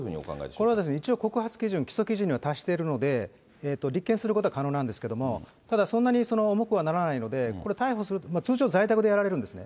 これは一応、告発基準、起訴基準には達しているので、立件することは可能なんですけども、ただ、そんなに重くはならないので、これ、逮捕する、通常、在宅でやられるんですね。